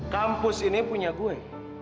kampus ini punya gue